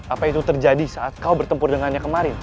apa itu terjadi saat kau bertempur dengannya kemarin